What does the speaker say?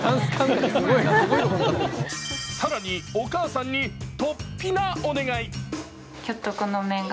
更に、お母さんに突飛なお願い。